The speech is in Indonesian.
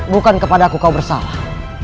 bukan kepada aku kau bersalah